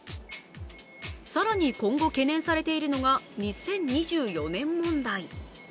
更に今後懸念されているのが２０２４年問題。